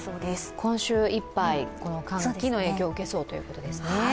今週いっぱい、この寒気の影響を受けそうということですね。